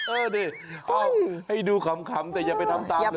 เออดิเอาให้ดูขำแต่อย่าไปทำตามเลย